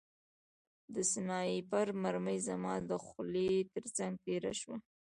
د سنایپر مرمۍ زما د خولۍ ترڅنګ تېره شوه